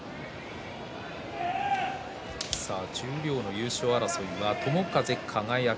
十両の優勝争いは、友風、輝。